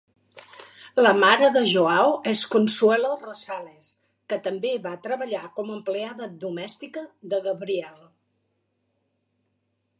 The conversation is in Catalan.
La mare de Joao és Consuelo Rosales, que també va treballar com a empleada domèstica de Gabriel.